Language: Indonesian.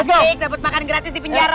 baik dapat makan gratis di penjara